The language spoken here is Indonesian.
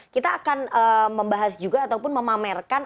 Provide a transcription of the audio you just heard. kita akan membahas juga ataupun memamerkan